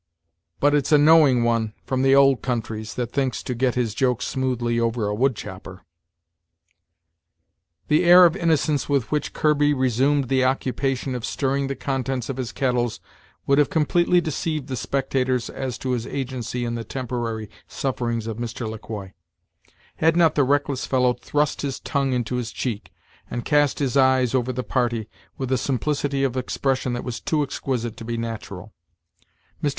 But it's a knowing one, from the old countries, that thinks to get his jokes smoothly over a wood chopper." The air of innocence with which Kirby resumed the occupation of stirring the contents of his kettles would have completely deceived the spectators as to his agency in the temporary sufferings of Mr. Le Quoi, had not the reckless fellow thrust his tongue into his cheek, and cast his eyes over the party, with a simplicity of expression that was too exquisite to be natural. Mr.